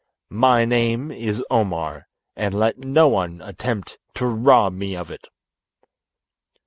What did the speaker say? My name is Omar, and let no one attempt to rob me of it."